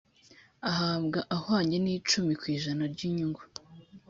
ahabwa ahwanye n’icumi ku ijana ry’inyungu